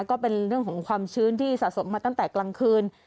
ก็เป็นเรื่องของความชื้นที่สะสมมาตั้งแต่กลางคืน